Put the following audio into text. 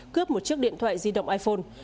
cướp một chiếc điện thoại di động iphone